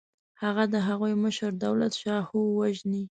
هغه د هغوی مشر دولتشاهو وژني.